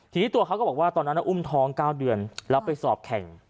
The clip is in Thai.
ทีนี้ตัวเขาก็บอกว่าตอนนั้นอุ้มท้อง๙เดือนแล้วไปสอบแข่ง